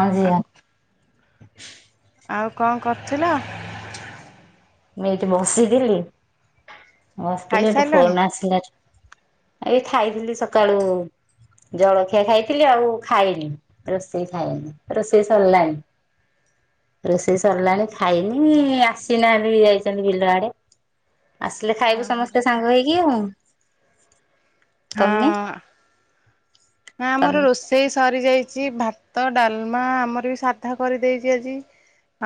ଆଜିୟା। ଆଉ କଣ କରୁଥିଲ? ମୁଁ ଏଇଠି ବସିଥିଲି ବସିଥିଲି ଏଠି ଖାଇସାରିଲଣି? ଫୋନ ଆସିଲା ଏଇ ଖାଇଥିଲି ସକାଳୁ ଜଳଖିଆ ଖାଇଥିଲି ଆଉ ଖାଇନି, ରୋଷେଇ ଖାଇନି ରୋଷେଇ ସରିଲାଣି। ହ ରୋଷେଇ ସରିଲାଣି ଖାଇନି ଆସିଲା। ଯାଇଛନ୍ତି ବିଲ ଆଡ଼େ ଆସିଲେ ଖାଇବୁ ଓହୋ। ସମସ୍ତେ ସାଙ୍ଗ ହେଇକି ଆଉ। ତମେ ହଁ। ନା ଆମର ତମେ ରୋଷେଇ ସ ଯାଇଛି ଭାତ ଡାଲମା ଆମର ବି ସାଧା କରିଦେଇଛି ଆଜି।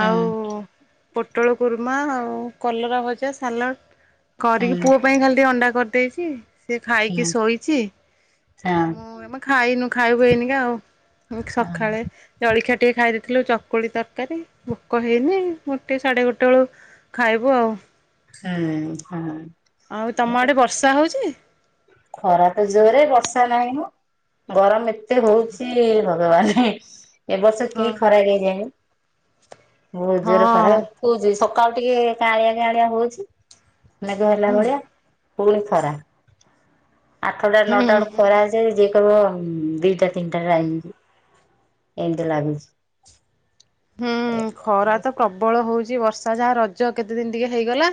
ହୁଁ ଆଉ ପୋଟଳ କୁରୁମା ଆଉ କଲରା ଭଜା ସାଲାଡ଼। କରିକି ହୁଁ ପୁଅ ପାଇଁ ଖାଲି ଟିକେ ଅଣ୍ଡା କରିଦେଇଚି। ସେ ଖାଇକି ହୁଁ ଶୋଇଛି ହଁ ମୁଁ ଖାଇନୁ ଖାଇବୁ ଏଇନିକା ଆଉ ହଁ ସକାଳେ ଜଳଖିଆ ଟିକେ ଖାଇ ଦେଇଥିଲୁ ଚ ଚକୁଳି ତରକାରୀ ଭୋକ ହେଇନି ଗୋଟେ ସାଢ଼େ ଗୋଟେ ବେଳୁ ଖାଇବୁ ଆଉ। ହୁଁ ହଁ। ଆଉ ତମ ଆଡ଼େ ବର୍ଷା ହଉଛି। ଖରା ତ ଜୋରେ ବର୍ଷା ନାହିଁ ମ ଗରମ ଏତେ ହଉଛି। କୁହନି ଏ ବର୍ଷ ହଁ କି ଖରା କେଜାଣି । ବହୁତ୍ ଜୋରେ ଖରା ହଁ [unintelligible] ସକାଳୁ ଟିକେ କାଁଳିଆ କାଁଳିଆ ହଉଚି। ମେଘ ହେଲା ହୁଁ ଭଳିଆ ପୁଣି ଖରା। ଆଠଟା ହୁଁ ନଅଟା ବେଳକୁ ଖରା ହେଇଯାଏ ଯିଏ କହିବ ଦିଟା ତିନିଟା ଟାଇମ୍। ଏମିତି ଲାଗୁଛି। ହୁଁ ଖରା ତ ପ୍ରବଳ ହଉଛି ବର୍ଷା ଯାହା ରଜ କେତେ ଦିନ୍ ଟିକେ ହେଇଗଲା।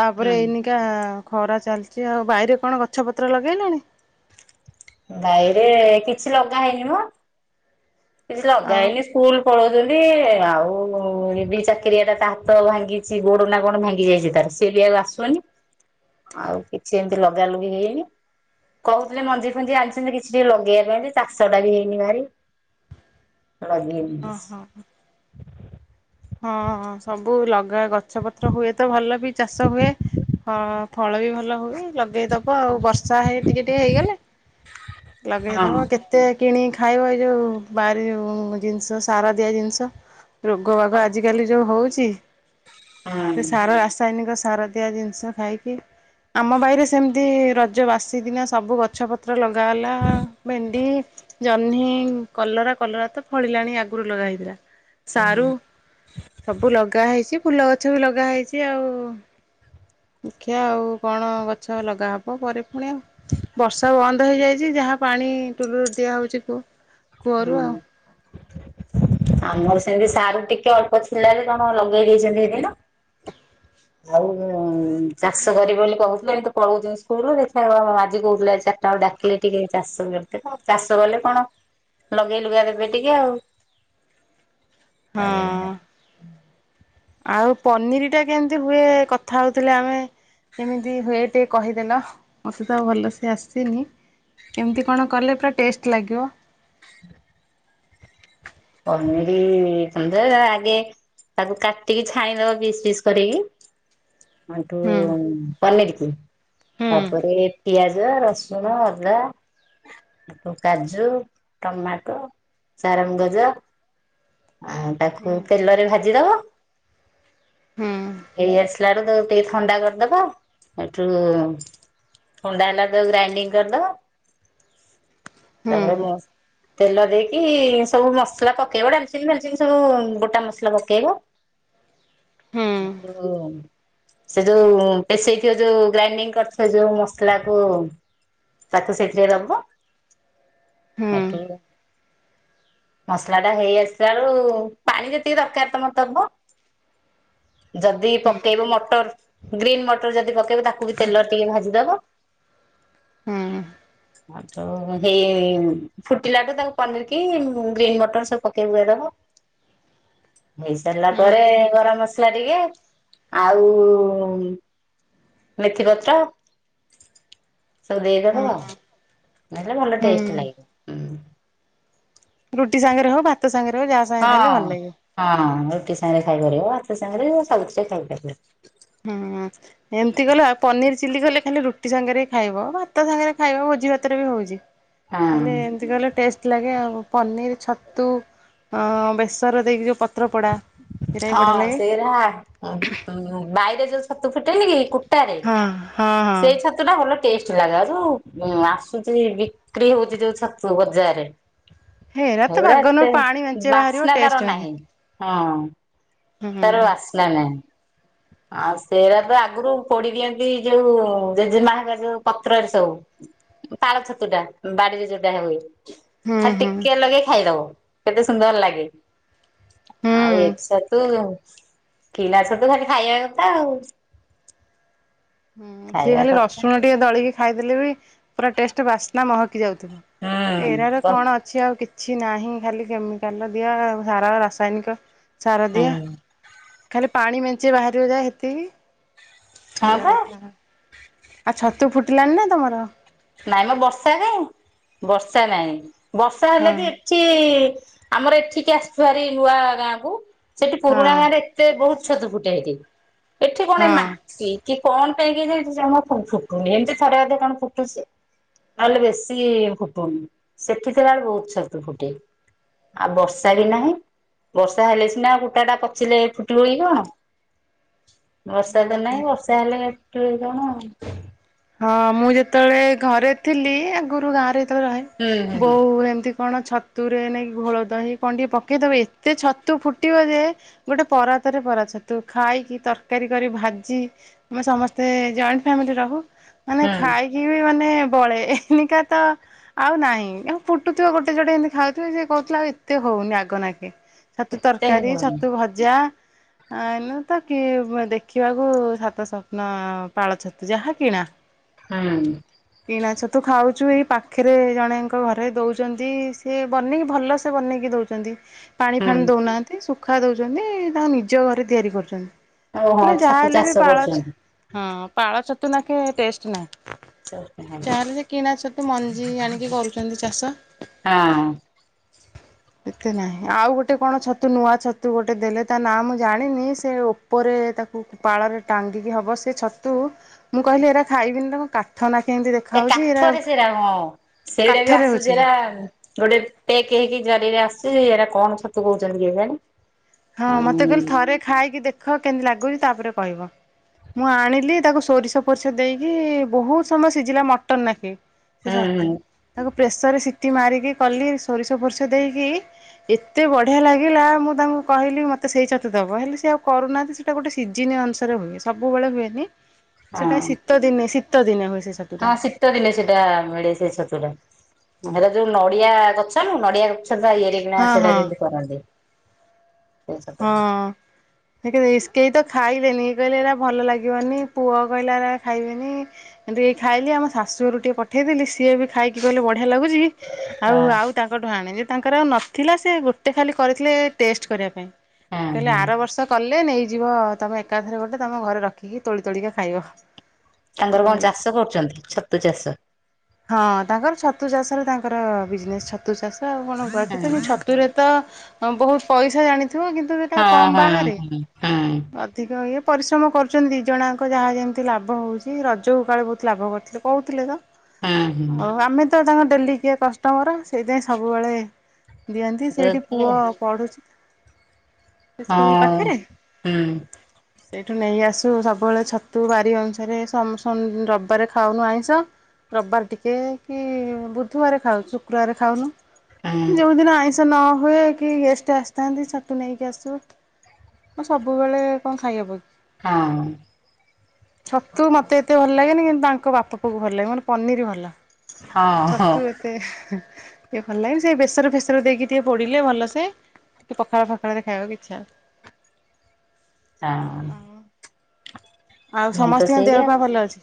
ତାପରେ ହୁଁ ଏଇନିକା ଖରା ଚାଲିଛି ଆଉ ବାଇରେ କଣ ଗଛ ପତ୍ର ଲଗେଇଲେଣି। ବାଇରେ କିଛି ଲଗା ହେଇନି ମ। କିଛି ଲଗା ଆଉ ହେଇନି ସ୍କୁଲ୍ ପଳଉଛନ୍ତି। ଆଉ ଏ ଚାକିରିଆ ଟା ତା ହାତ ଭାଙ୍ଗିଛି ଗୋଡ଼ ନା କଣ ଭାଙ୍ଗି ଯାଇଛି ତାର ସିଏ ବି ଆଉ ଆସୁ ଆଉ କିଛି ଏମିତି ଲଗା ଲଗି ହେଇନି। କହୁଥିଲେ ମଞ୍ଜି ଫଞ୍ଜି ଆଣିଛନ୍ତି କିଛି ଲଗେଇବା ପାଇଁ ଚାଷ ଟା ବି ହେଇନି ବାରି ଲଗେଇନୁ ଓହୋ କିଛି। ହଁ ସବୁ ଲଗା ଗଛ ପତ୍ର ହୁଏ ତ ଭଲ ବି ଚାଷ ହୁଏ ହଁ। ଫଳ ବି ଭଲ ହୁଏ। ଲଗେଇଦବ ଆଉ ବର୍ଷା ହେଇ ଟିକେ ଟିକେ ହେଇଗଲେ ହଁ। ଲଗେଇଦବ କେତେ? କିଣିକି ଖାଇବ ଏଇ ଯୋଉ ବାରି ଜିନିଷ ସାର ଦିଆ ଜିନିଷ। ହଁ ଆଜି କାଲି ଯୋଉ ହଉଚି ସାର ରାସାୟନିକ ସାରଦିଆ ଜିନିଷ ଖାଇକି ଆମ ବାଇରେ ସେମିତି ରଜ ବାସି ଦିନ ସବୁ ଗଛ ପତ୍ର ଲଗା ହେଲା ଭେଣ୍ଡି ଜହ୍ନି, କଲରା, କଲରା ତ ଫଳିଲାଣି ଆଗରୁ ଲଗା ହେଇଥିଲା। ସାରୁ ସବୁ ଲଗା ହେଇଛି ଫୁଲ ଗଛ ବି ଲଗା ହେଇଛି ଆଉ। ଦେଖିଆ ଆଉ କଣ ଗଛ ଲଗାହବ ପରେ ପୁଣି ଆଉ। ବର୍ଷା ବନ୍ଦ ହେଇଯାଇଛି ଯାହା ପାଣି ଟୁଲୁ ରୁ ଦିଆହଉଛି କୂଅ ହୁଁ କୂଅରୁ ଆଉ। [inaudible] ଆମର ସେମିତି ସାରୁ ଟିକେ ଅଳ୍ପ ଥିଲା କଣ ଲଗେଇ ଦେଇଛନ୍ତି ସେଦିନ। ଆଉ ଚାଷ କରିବେ ବୋଲି କହୁଥିଲେ ଇଏ ତ ପଳଉଛନ୍ତି ସ୍କୁଲ୍ ଦେଖିଆ ଆଜି କହୁଥିଲେ ଚା ତାକୁ ଡ଼ାକିଲେ ଟିକେ ଚାଷ କରିଦେବେ ଚାଷ କଲେ କଣ ଲଗେଇ ଲୁଗା ଦେବେ ଟିକେ ଆଉ। ହଁ। ଆଉ ପନିର ଟା କେମତି ହୁଏ କଥା ହଉଥିଲେ ଆମେ? କେମିତି ହୁଏ ଟିକେ କହିଦେଲ ମୋତେ ତ ଭଲସେ ଆସିନି। କେମିତି ତି କଣ କଲେ ପୁରା ଟେଷ୍ଟ୍ ଲାଗିବ। ହୁଁ। [unintelligible] ଆଗେ ତାକୁ କାଟିକି ଛାଣିଇଦବ ପିସ୍ ପିସ୍ କରିକି। ହେଟୁ ହୁଁ। ପନରିକି ହୁଁ ତାପରେ ପିଆଜ ଏ ରସନ, ଅଦା ତା କାଜୁ, ଟମାଟୋ, ଚାରଙ୍ଗଗଜ ଆଉ, ହୁଁ ତାକୁ ତେଲରେ ଭାଜିଦବ ହୁଁ ଏଇ ଆସିଲା ବେଳୁ, ତ ଟିକେ ଥଣ୍ଡା କରିଦବା, ଏଇଠୁ ହଣ୍ଡାଲା ଦ ଗ୍ରାାଇଡିଙ୍ଗ କରିଦବ । ହୁଁ ତାପରେ, ତେଲ ଦେଇକି ସବୁ ମସ ମସଲା ପକେଇବ, ଡାଲଚିନି ସବୁ ଗୋଟା ମସଲା ପକେଇବ । ହୁଁ ଆ [unintelligible] ସେ ଯୋଉ ପେଷେଇଥିବ, ଯୋଉ ଗ୍ରାଇଣ୍ଡିଙ୍ଗ କରିଥିବ, ଯୋଉ ମସଲା କ ତାକୁ ସେଥିରେ ଦବ, ହୁଁ ହେଠୁ ମସଲା ଟା ହେଇ ଆସିଲା ବେଳୁ, ପାଣି ଯେତିକି ଦରକାର ତମର ତମ ଯଦି ପକେଇବ ମଟର ଗ୍ରୀନ୍ ମଟର ଯଦି ପକେଇବେ, ତାକୁ ବି ତେଲ ଟିକେ ଭାଜିଦବ ହୁଁ । ହେଇ ଫୁଟିଲାଠୁ, ତାକୁ ପନିର କି ଗ୍ରୀନ୍ ମଟର ସବୁ ପକେଇପୁକା ଦବ । ହେଇସାରିଲା ହୁଁ ପରେ, ଗରମ ମସଲା ଟିକେ ଆଉ ମେଥିପତ୍ର ଦେଇଦବ, ନ [unintelligible] ଭଲ ହୁଁ ଟେଷ୍ଟ ଲାଗିବ। ରୁଟି ସାଙ୍ଗରେ ହଉ, ଭାତ ସାଙ୍ଗରେ ହଉ ଯାହା ସାଙ୍ଗେ ଖାଇଲେ ହଁ, ଭଲ ଲାଗିବ। ହଁ, ରୁଟି ସାଙ୍ଗରେ ଖାଇପାରିବ, ଭାତ ସାଙ୍ଗରେ ସବୁଛି ଖାଇପାରିବ । ହୁଁ, ଏମତି ଗଲା ପନିର ଚିଲି କଲେ ଖାଲି ରୁଟି ସାଙ୍ଗରେ ଖାଇବ, ଭାତ ସାଙ୍ଗରେ ଖାଇବ ଭୋଜି ଭାତରେ ବି ହଉଛି । ହଁ। ହେଲେ, ଏମିତି କଲେ ଟେଷ୍ଟ ଥିଲାଗେ ଆଉ, ପନିର, ଛତୁ ବେସର ଦେଇକି ଯୋଉ ପତ୍ର ପୋଡ଼ା ସେରା ବି ବଢ଼ିଆ ହଁ ଲାଗେ। ସେଇରାା ବାଇରେ ଯୋଉ ଛତୁ ଫୁଟେନି କି? ହଁ ହଁ ହଁ ସେଇ ଛତୁ ଟା ଭଲ । ଲାଗାଉ, ଯୋଉ ଆସୁଛି ବିକ୍ରି ହଉଛି ଯୋଉ ଛତୁ ବଜାରରେ ହେରା ତ ଏଉଡା ବାଗନରୁ ସେ ପାଣି ମେଞ୍ଚେ ବାହାରିବ ବାସ୍ନା ଟେଷ୍ଟ ତାର ନାହିଁ, ହଁ । ହୁଁ ହୁଁ ତାର ବାସ୍ନା ନାହିଁ। ଆଉ ସେରା ତ ଆଗରୁ ପୋଡି ଦିଅନ୍ତି, ଯୋଉ ଜେଜେମା ହିରିକା ଯୋଉ ପତ୍ରରେ ସବୁ। ପାଳ ଛତୁ ଟା ବାଡିରେ ଯୋଉଟା ହୁଏ। ଖାଲି ହୁଁ ହୁଁ। ଟିକେ ଲଗେଇ ଖାଇଦବ, କେତେ ସୁନ୍ଦର ଲାଗେ। ଆଉ ଏ ହୁଁ ଛତୁ କିଣା ଛତୁ ଖାଲି ଖାଇବା କଥା ଆଉ। ହୁଁ, ସିଏ ଖାଇବା ଖାଲି କଥା ରସୁଣ ଟିକେ ଦଳିକି ଖାଇଦେଲେ ବି, ପୁରା ଟେଷ୍ଟ, ବାସ୍ନା ମହକି ଯାଉଥିବ, ଏରାର ହୁଁ କଣ ଅଛି ଆଉ କିଛି ନାହିଁ ଖାଲି କେମିକାଲ ଦିଆ, ସାର ରାସାୟନିକ ସାରଦିଆ, ହୁଁ ଖାଲି ପାଣି ମେଞ୍ଚେ ବାହାରିବା ଯାହା ହେତିକି। ହ ଖାଇବା ବା। କଥା। ଆଉ ଛତୁ ଫୁଟିଲାନି ନା ତମର? ନାଇଁ ମ ବର୍ଷା କାଇଁ, ବର୍ଷା ନାଇଁ ବର୍ଷା ହେଲେ ହଁ ବି ଏଠି ଆମର ଏଠିକି ଆସିଛୁ ଭାରି ନୂଆ ଗାଁ କୁ, ସେଠି ପୁରୁଣା ହଁ ଗାଁରେ ଏତେ ବହୁତ ଛତୁ ଫୁଟେ ହେଠି, ଏଠି କଣ ଏ ହଁ। ମାଟି କି କଣ ପାଇଁ କି କେଜାଣି ଫୁଟୁନି, ଏମିତି ଥରେ ଆଧେ କଣ ଫୁଟୁଛି। ତାହେଲେ ବେଶୀ ଫୁଟୁନି, ସେଠିଥିଲା ବେଳେ ବହୁତ ଛତୁ ଫୁଟେ। ଆଉ ବର୍ଷା ବି ନାହିଁ, ବର୍ଷା ହେଲେ ସିନା କୁଟା ଟା ପଚିଲେ ଫୁଟିିବିକି କଣ? [inaudible] ବର୍ଷା ତ ନାଇଁ ବର୍ଷା ହେଲେ ଫୁଟିବ କଣ? ହଁ ମୁଁ ଯେତେବେଳେ ଘରେ ଥିଲି, ଆଗରୁ ଗାଁ ରେ ଯେତେବେଳେ ରହେ, ବୋଉ ହୁଁ ଏମିତି କଣ ଛତୁରେ ନାଇକି ଘୋଳ ଦହି କଣ ଟିକେ ପକେଇଦବ, ଏତେ ଛତୁ ଫୁଟିବ ଯେ ଗୋଟେ ପରାତ ପରାତ ଛତୁ ଖାଇକି ତରକାରୀ କରି ଭାଜି ଆ ସମସ୍ତେ ଜଏଣ୍ଟ୍ ଫ୍ୟାମିଲି ରହୁ ମାନେ ଖାଇକି ବି ମାନେ ବଳେ ଏନିକା ତ ଆଉ ନାହିଁ ଆଉ ଫୁଟୁଥିବ ଗୋଟେ ଜୋଡେ ଏମିତି ଖାଉଥିବେ ସିଏ କହୁଥିଲା ଆଉ ଏତେ ହଉନି ଆଗନାଖେ ଛତୁ ତରକାରୀ ହୁଁ ଛତୁ ଭଜା ଆ ଏମିତି ତ କି ଦେଖିବାକୁ ସାତ ସ୍ଵପ୍ନ ପାଳ ଛତୁ ଯାହା କିଣା ହୁଁ କିଣା ଛତୁ ଖାଉ ଯେଉଁ ଏଇ ପାଖେରେ ଜଣେଙ୍କ ଘରେ ଦଉଛନ୍ତି ସିଏ ବନେଇକି ଭଲସେ ବନେଇକି ଦଉଛନ୍ତି। ପାଣି ହୁଁ। ଫାଣି ଦଉନାହାନ୍ତି ଶୁଖା ଦଉଛନ୍ତି ତାଙ୍କ ନିଜ ଘରେ ତିଆରି କରୁଛନ୍ତି। ଓହୋ ହେଲେ ଯାହା ଛତୁ ହେଲେ ବି ଚାଷ ପାଳ ଛ କରୁଛନ୍ତି। ପାଳ ଛତୁ ନାଖେ ଟେଷ୍ଟ ନାହିଁ ହଁ ଯା ହେଲେ କିଣା ଛତୁ ସେ ମଞ୍ଜି ଆଣିକି କରୁଛନ୍ତି ଚାଷ। [inaudible] ଏତେ ନାହିଁ ଆଉ ଗୋଟେ କଣ ଛତୁ ନୂଆ ଛତୁ ଗୋଟେ ଦେଲେ ତା ନା ମୁଁ ଜାଣିନି ସେ ଉପରେ ତାକୁ ପାଳରେ ଟାଙ୍ଗିକି ହବ ସେ ଛତୁ ମୁଁ କହିଲି ଏରା ଖାଇବିନି ତା କାଠ ନାଖିଆ ଏ କାଠରେ ସେରା ହଁ ସେଇଡ଼ା ବି କାଠରେ ଆସୁଛି ହଉଛି। ହେରା ଗୋଟେ ପେକ୍ ହେଇକି ଜରିରେ ଆସୁଛି। ସେ ଏଇା କଣ ଛତୁ କହୁଛନ୍ତି କେଜାଣି? ହଁ ହୁଁ ମତେ କହିଲେ ଥରେ ଖାଇକି ଦେଖ କେମିତି ଲାଗୁଛି ତାପରେ କହିବ। ମୁଁ ଆଣିଲି ତାକୁ ସୋରିଷ ପୋରିଷ ଦେଇକି ବହୁତ ସମୟ ସିଝିଲା ମଟନ ନାଖେ। ସେ ଛତୁ ହୁଁ ତାକୁ ପ୍ରେସରରେ ସିଟି ମାରିକି କଲି ସୋରିଷ ଫୋରିଷ ଦେଇକି ଏତେ ବଢ଼ିଆ ଲାଗିଲା ମୁଁ ତାଙ୍କୁ କହିଲି ମୋତେ ସେଇ ଛତୁ ଦବ ହେଲେ ସିଏ ଆଉ କରୁନାହାନ୍ତି ସେଇଟା ଗୋଟେ ସିଜିିନ ଅନୁସାରେ ହୁଏ ସବୁବେଳେ ହୁଏନି। ସେଟା ହଁ ଶୀତ ଦିନେ ଶୀତ ଦିନେ ହୁଏ। ସେ ହଁ ଛତୁଟା ଶୀତ ଦିନେ ସେଟା ମିଳେ ସେ ଛତୁଟା। ହେଲା ଯୋଉ ନଡିଆ ଗଛ ନୁ ନଡିଆ ଗଛ ତ ଇଏରେ ବିନା ହଁ ସେଟା ହଁ କେମତି କରନ୍ତି। ସେଇ ହଁ ଛତୁଟା [unintelligible] ଖାଇ ଇଏ କହିଲେ ଭଲ ଲାଗିବନି ପୁଅ କହିଲା ଏରା ଖାଇବିନି ହେଟୁ ଖାଇଲି ଆମ ଶାଶୁ ଘର ଟିକେ ପଠେଇଦେଲି ସିଏ ବି ଖାଇକି କଲେ ବଢିଆ ଲାଗୁଛି ହଁ ଆଉ ତାଙ୍କଠୁ ଆଣେ। ତାଙ୍କର ଆଉ ନଥିଲା ସେ ଗୋଟେ ଖାଲି କରିଥିଲେ ଟେଷ୍ଟ କରିବା ପାଇଁ। ହଁ କହିଲେ ହଁ ଆର ବର୍ଷ କଲେ ନେଇ ଯିବ ତମ ଏକାଥରେ ଗୋଟେ ତମ ଘରେ ରଖିକି ତୋଳି ତୋଳିକା ଖାଇବ। ତାଙ୍କର କଣ କହିଲେ ଚାଷ ହଁ କରୁଛନ୍ତି ଛତୁ ଚାଷ। ହଁ ତାଙ୍କର ଛତୁ ଚାଷରେ ତାଙ୍କର ବିଜନେସ ଛତୁ ଚାଷ। ଆଉ କଣ କୁହ ହଁ ତ ମୁ ଛତୁରେ ତ ବହୁତ ପଇସା ଜାଣି ଥିବ କିନ୍ତୁ ଏଟା ହଁ କମ ହଁ ବାହାରେ ହଁ ହଁ ଅଧିକ ଇଏ। ପରିଶ୍ରମ କରୁଛନ୍ତି ଦୁଇ ଜଣଙ୍କ ଯାହା ଯେମିତି ଲାଭ ହେଉଛି ରଜକୁ କାଳେ ବହୁତ ଲାଭ କରିଥିଲେ କହୁଥିଲେ ତ ହଉ ଆମେ ତ ତାଙ୍କ ଡେଲି କିଆ କଷ୍ଟମର ସେଇଥିଇଁ ସବୁବେଳେ। ଦିଅନ୍ତି ହଁ ସେଇଠି ହଁ। ପୁଅ ପଢ଼ୁଛି। ସ୍କୁଲ ହଁ ପାଖରେ। ହୁଁ ସେଇଠୁ ନେଇ ଆସୁ ସବୁବେଳେ ଛତୁ ବାରି ଅନୁସାରେ ରବିବାରେ ଖାଉନୁ ଆଇଁଷ। ରବିବାର ଟିକେ କି ବୁଧବାର ଖାଉ ଶୁକ୍ରବାର ଖାଉନୁ ହୁଁ ଯୋଉ ଦିନ ଆଇଁଷ ନହୁଏ କି ଗେଷ୍ଟ୍ ଆସିଥାନ୍ତି ଛତୁ ନେଇକି ଆସୁ। ମୁଁ ସବୁବେଳେ କଣ ଖାଇହବ କି? ହଁ। ଛତୁ ମତେ ଏତେ ଭଲ ଲାଗେନି କିନ୍ତୁ ତାଙ୍କ ବାପା ପୁଅକୁ ଭଲ ଲାଗେ ମତେ ପନିର ଭଲ ଲାଗେ। ହଁ ହଁ ଛତୁ ଏତେ ହେ ଟିକେ ଭଲ ଲାଗେନି ସେ ବେସର ଫେସର ଦେଇକି ଟିକେ ପୋଡିଲେ ଭଲ ସେ ଟିକେ ପଖାଳ ଫଖାଳ ରେ ଖାଇବା କୁ ଇଛା ହଁ। ଆଉ ମୁ ତ ସମସ୍ତିଙ୍କ ଦେହ ସେଇଆଉ ପା ଭଲ ଅଛି?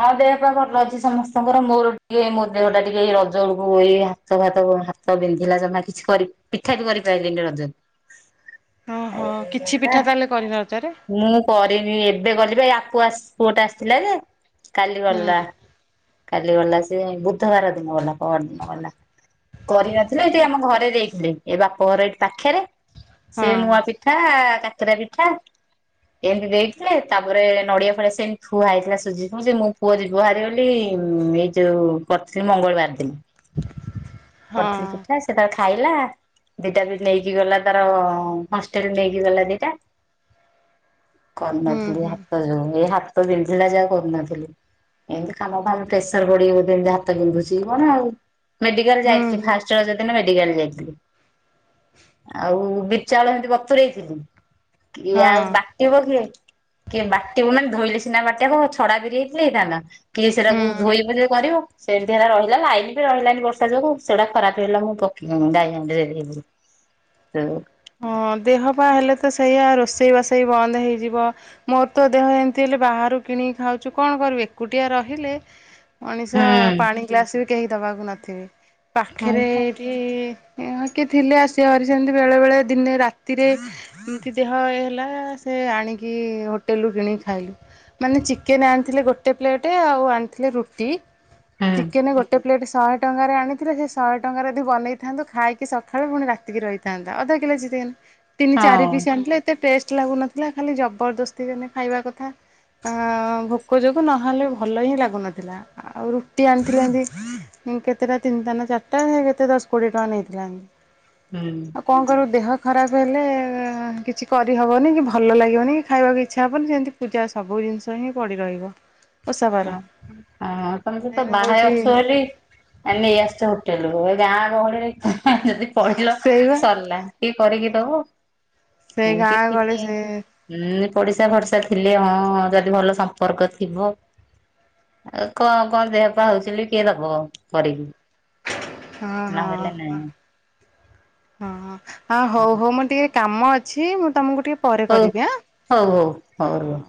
ହଁ ଆଉ ଦେହ ପା ଭଲ ଅଛି ସମସ୍ତଙ୍କର। ମୋର ଟିକେ ମୋ ଦେହ ଟା ଟିକିଏ ଏଇ ରଜ ବେଳକୁ ଏଇ ହାତ ଭାତ ହାତ ବିନ୍ଧିଲା ଜମା କିଛି କରିି ପିଠା ବି କରିପାରିଲିନି ରଜକୁ ଓହୋ କିଛି ପିଠା ତାହେଲେ କରିନରତରେ ମୁଁ କରିବି ଏବେ [unintelligible] ପୁଅଟେ ଆସିଥିଲା ଯେ କାଲି ଗଲା। ହୁଁ। କାଲି ଗଲା ସେ ବୁଧବାର ଦିନ ଗଲା ପଅରଦିନ ଗଲା। କରିନଥିଲେ ଏଠି ଆମ ଘରେ ଦେଇଥିଲେ ଏ ବାପଘର ଏଇଠି ପାଖରେ ସେ ହଁ ମୁଁଆ ପିଠା କାକରା ପିଠା ଏମିତି ଦେଇ ଥିଲେ ତାପରେ ନଡିଆ ଫଡିଆ ସେମିତି ଠିଆ ହେଇଥିଲା ସୁଜି ମୋ ପୁଅ ଯିବହାରି ବୋଲି ଏଇ ଯୋଉ କରିଥିଲି ମଙ୍ଗଳବାର ଦିନ। ହଁ କରିଥିଲି ପିଠା ସେଟା ଖାଇଲା ଦିଟା ବି ନେଇକି ଗଲା ତାର ହଷ୍ଟେଲ ନେଇକି ଗଲା ଦିଟା। ହ [inaudible] କରିନଥିଲି ହାତ ଯୋଗୁ ଏଇ ହାତ ବିନ୍ଧିଲା ଯେ ଆଉ କରୁନଥିଲି। ଏମିତି କାମ ଫାମ ପ୍ରେସର ପଡିଯାଉଛି ଏମିତି ହାତ ବିନ୍ଧୁଛିି କଣ? ମେଡିକାଲ ହୁଁ ଯାଇଥିଲି ହୁଁ ଫାର୍ଷ୍ଟ ରଜଦିନ ମେଡି ଯାଇଥିଲି ଆଉ ବିରି ଚାଉଳ ହେମତି ବତୁରେଇଥିଲି। କିଏ ଆଉ ହଁ ବାଟିବ କିଏ କିଏ ବାଟିବ ନା ଧୋଇଲେ ସିନା ବାଟିଆ କ ଛଡା ବିରି ହେଇଥିଲେ ହେଇଥାନ୍ତା କିଏ ସେଟାକୁ ହୁଁ। ଧୋଇବ ଯେ କରିବ। ସେମିତି ହେଲା ରହିଲା ଲାଇନ ବି ରହିଲାନି ବର୍ଷା ଯୋଗୁ ସେଟା ଖରାପ ହେଇଗଲା ପକ ମୁଁ ଗାଈ ହାଣ୍ଡିରେ ଦେଇଦେଲି। ହଁ ଦେହପା ହେଲେ ତ ସେଇଆା ରୋଷେଇ ବାସ ବନ୍ଦ ହେଇଯିବ ମୋର ତ ଦେହ ଏମିତି ବାହାରୁ କିଣିକି ଖାଉଛୁ, କଣ କରିବି ଏକୁଟିଆ ରହିଲେ। ମଣିଷ ପାଣି ଗ୍ଲାସ ବି କେହି ଦବାକୁ ନଥିବେ ହୁଁ ପାଖରେ ଏଠି କିଏ ଥିଲେ ଆସିଅହରି ସେମିତି ବେଳେ ବେଳେ ଦିନେ ରାତିରେ ଏମିତି ଦେହ ହେଲା ସେ ଆଣିକି ହୋଟେଲରୁ କିଣିକି ଖାଇଲୁ। ମାନେ ଚିକେନ ଆଣିଥିଲେ ଗୋଟେ ପ୍ଲେଟ ଆଉ ଆଣିଥିଲେ ରୁଟି, ହଁ ଚିକେନ ଗୋଟେ ପ୍ଲେଟ୍ ଶହେ ଟଙ୍କାରେ ଆଣିଥିଲେ ସେ ଶହେ ଟଙ୍କାରେ ଯଦି ବନେଇଥାନ୍ତୁ ଖାଇକି ସକାଳୁ ପୁଣି ରାତିକି ରହିଥାନ୍ତା ଅଧା [unintelligible] ତିନି ଚାରି ପିସ୍ ଆଣିଥିଲେ ଏତେ ଟେଷ୍ଟ ଲାଗୁନଥିଲା ଖାଲି ଜବରଦସ୍ତି ଯେମିତି ଖାଇବା କଥା। ଅ ଭୋକ ଯୋଗୁ ନହେଲେ ଭଲ ହିଁ ଲାଗୁନଥିଲା ଆଉ ରୁଟି ଆଣିଥିଲେ ହେନ୍ତି। କେତେଟା ତିନିଟା ନା ଚାରିଟା କେତେ ଦଶ କୋଡ଼ିଏ ଟଙ୍କା ନେଇଥିଲା ଏ ହୁଁ। ଦେହ ଖରାପ ହେଲେ କିଛି କରିହବନି କି ଭଲ ଲାଗିବନି କି ଖାଇବାକୁ ଇଚ୍ଛା ହବନି ଯେମିତି ପୂଜା ସବୁ ଜିନିଷ ହିଁ ପଡି ରହିବ। ଓଷା ବାର। ହ ହଁ ତମେ ସ ତ ମେନ୍ ବାହାରେ ହଉଛି ଅଛ ବୋଲି ନେଇ ଆସୁଛ ହୋଟେଲରୁ ଗାଁ ଗହଳିରେ ଯଦି ପଡ଼ିଲ ସେଇବା ସରିଲା କିଏ କରିକି ଦବ? ସେ ଗାଁ ଏମତି ଗହଳି ଥିଲି ସେ ଉଁ ପଡିଶା ଭରଷା ଥିଲେ ହଁ ଯଦି ଭଲ ସମ୍ପର୍କ ଥିବ ଆଉ କଣ କଣ ଦେହ ପା ହଉଚି ବୋଲି କିଏ ଦବ କରିକି। ହଁ ହଁ ନହେଲେ ନାଇଁ ହଁ ଆ ହଉ ହଉ ମୁଁ ଟିକେ କାମ ଅଛି ମୁଁ ତମକୁ ଟିକେ ପରେ ହଉ କରିବି ଆଁ ହଉ ହଉ ହ। ରୁହ।